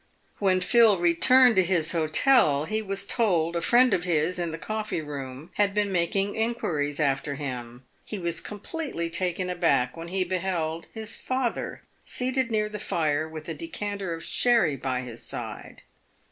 When Phil returned to his hotel, he was told a friend of his, in the coffee room, had been making inquiries after him. He was completely " taken aback" when he beheld his father seated near the fire with a decanter of sherry by his side.